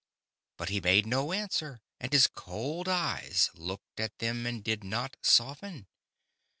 But he made no answer, and his cold eyes looked at them and did not soften.